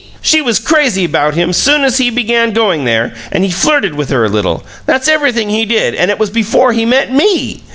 She was crazy about him soon as he began going there, and he flirted with her a little. That's everything he did, and it was before he met ME!